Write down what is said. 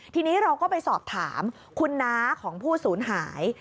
ทีนี้เราก็ไปสอบถามคุณน้าของผู้สูญหาย